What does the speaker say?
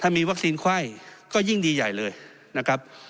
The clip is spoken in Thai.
มีวัคซีนไข้ก็ยิ่งดีใหญ่เลยนะครับ